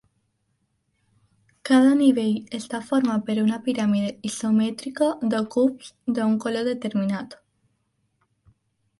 Cada nivell està format per una piràmide isomètrica de cubs d'un color determinat.